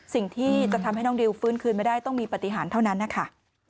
สิ่งที่จะทำให้น้องดิวฟื้นคืนไม่ได้ต้องมีปฏิหารเท่านั้นนะคะ